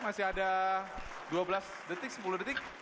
masih ada dua belas detik sepuluh detik